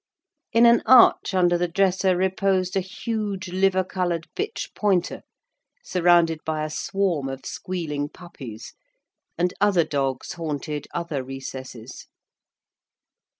In an arch under the dresser reposed a huge, liver coloured bitch pointer, surrounded by a swarm of squealing puppies; and other dogs haunted other recesses.